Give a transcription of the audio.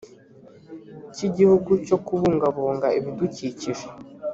cy igihugu cyo kubungabunga ibidukikije